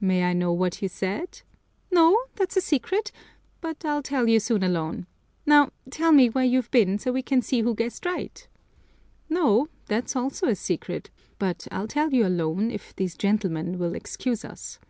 "May I know what you said?" "No, that's a secret, but I'll tell you soon alone. Now tell me where you've been, so we can see who guessed right." "No, that's also a secret, but I'll tell you alone, if these gentlemen will excuse us."